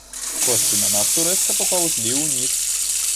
Кошты на нафту рэзка папаўзлі ўніз.